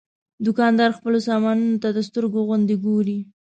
دوکاندار خپلو سامانونو ته د سترګو غوندې ګوري.